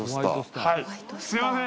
すいません